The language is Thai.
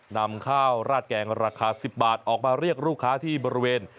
นำข้าวราดแกงราคา๑๐บาทออกมาเรียกลูกค้าที่บริเวณ